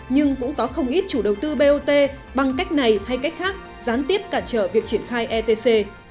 nhưng cũng có không ít chủ đầu tư bot bằng cách này hay cách khác gián tiếp cản trở việc triển khai etc